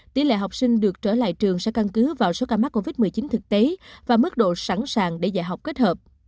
tỷ lệ học sinh được trở lại trường sẽ căn cứ vào số ca mắc covid một mươi chín thực tế và mức độ sẵn sàng để dạy học kết hợp